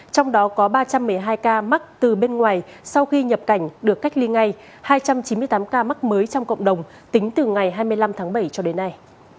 trong đó có ba trăm một mươi hai ca mắc từ bên ngoài sau khi nhập cảnh được cách ly ngay hai trăm chín mươi tám ca mắc mới trong cộng đồng tính từ ngày hai mươi năm tháng bảy cho đến nay